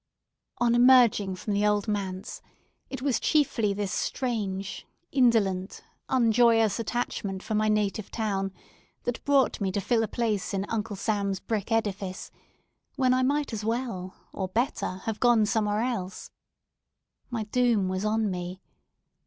On emerging from the Old Manse, it was chiefly this strange, indolent, unjoyous attachment for my native town that brought me to fill a place in Uncle Sam's brick edifice, when I might as well, or better, have gone somewhere else. My doom was on me.